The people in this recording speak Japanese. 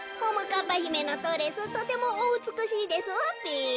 かっぱひめのドレスとてもおうつくしいですわべ。